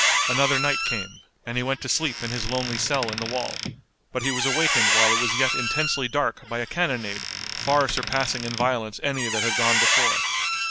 Another night came, and he went to sleep in his lonely cell in the wall, but he was awakened while it was yet intensely dark by a cannonade far surpassing in violence any that had gone before.